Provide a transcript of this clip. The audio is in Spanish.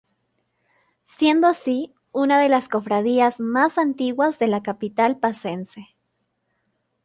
Siendo así una de las cofradías más antiguas de la capital pacense.